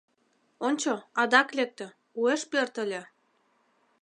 Ончо, адак лекте, уэш пӧртыльӧ!